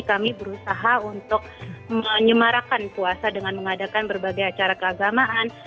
kami berusaha untuk menyemarakan puasa dengan mengadakan berbagai acara keagamaan